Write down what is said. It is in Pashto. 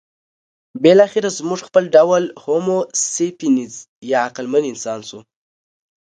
بالاخره زموږ خپل ډول هومو سیپینز یا عقلمن انسان شو.